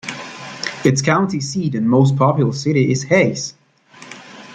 Its county seat and most populous city is Hays.